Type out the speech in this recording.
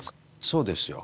そうですよ。